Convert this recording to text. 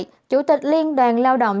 trong số này chủ tịch liên đoàn lao động